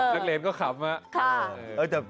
ครูก็ขำนักเรียนก็ขำ